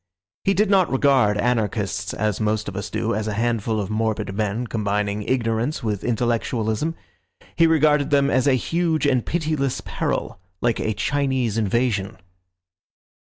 He did not regard anarchists, as most of us do, as a handful of morbid men, combining ignorance with intellectualism. He regarded them as a huge and pitiless peril, like a Chinese invasion.